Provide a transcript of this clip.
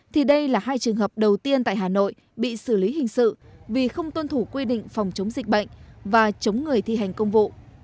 thì đây là hai trường hợp đầu tiên tại hà nội bị xử lý hình sự vì không tuân thủ quy định phòng chống dịch bệnh và chống người thi hành công vụ